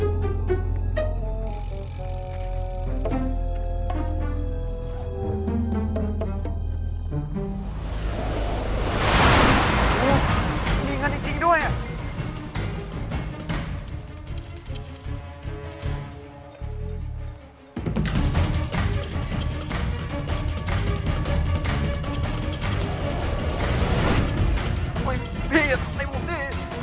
พี่อย่าทำในผมสิ